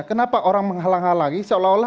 kenapa orang menghalang halangi seolah olah